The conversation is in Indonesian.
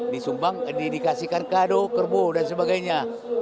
disumbang dikasihkan kado kerbo dan sebagainya